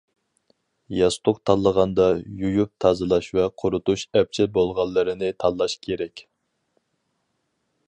ياستۇق تاللىغاندا يۇيۇپ تازىلاش ۋە قۇرۇتۇش ئەپچىل بولغانلىرىنى تاللاش كېرەك.